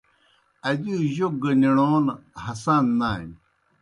ادِیؤ جوک گہ نِݨون ہسان نانیْ۔